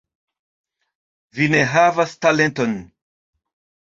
Vi ne havas talenton!